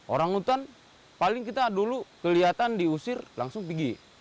orang utan paling kita dulu kelihatan diusir langsung pergi